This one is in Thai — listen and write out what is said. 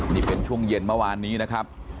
นี่เป็นช่วงเย็นเมื่อวานนี้นะครับ